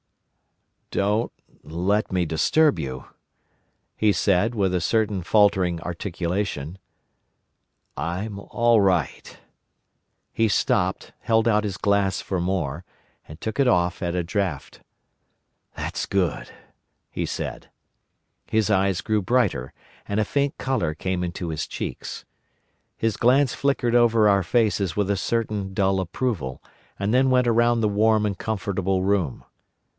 "Don't let me disturb you," he said, with a certain faltering articulation. "I'm all right." He stopped, held out his glass for more, and took it off at a draught. "That's good," he said. His eyes grew brighter, and a faint colour came into his cheeks. His glance flickered over our faces with a certain dull approval, and then went round the warm and comfortable room.